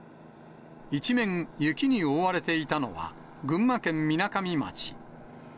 一面雪に覆われていたのは、群馬県みなかみ町。